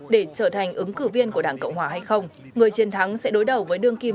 để trở thành ứng cử viên của đảng cộng hòa hay không người chiến thắng sẽ đối đầu với đương kim